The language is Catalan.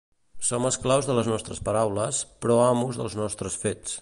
Som esclaus de les nostres paraules però amos dels nostres fets.